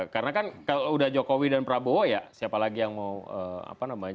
karena kan kalau udah jokowi dan prabowo ya siapa lagi yang mau